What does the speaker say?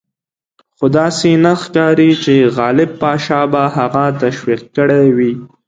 خو داسې نه ښکاري چې غالب پاشا به هغه تشویق کړی وي.